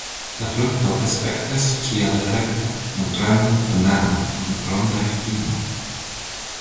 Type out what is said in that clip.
La frukto aspektas kiel rekta, malgranda banano kun rondaj finoj.